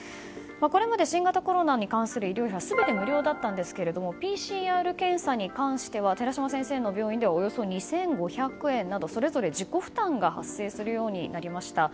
これまで新型コロナに関する医療費は全て無料だったんですがＰＣＲ検査に関しては寺嶋先生の病院ではおよそ２５００円などそれぞれ自己負担が発生するようになりました。